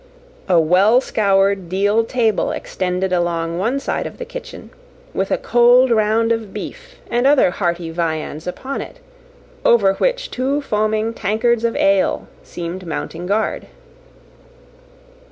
A well scoured deal table extended along one side of the kitchen, with a cold round of beef and other hearty viands upon it, over which two foaming tankards of ale seemed mounting guard.